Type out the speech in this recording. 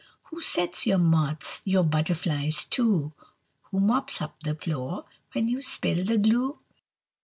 Who sets your moths, Your butterflies, too? Who mops up the floor When you spill the glue?